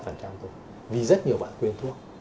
vì rất nhiều bạn